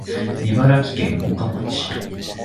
茨城県五霞町